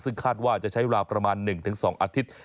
ซึ่งคาดว่าจะใช้เวลาประมาณ๑๒อาทิตย์